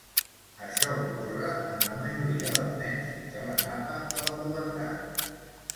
Això ocorre en la majoria dels nens fins a l'etapa de la pubertat.